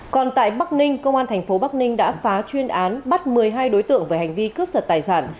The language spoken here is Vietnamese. còn tại bắc ninh công an thành phố bắc ninh đã phá chuyên án bắt một mươi hai đối tượng về hành vi cướp giật tài sản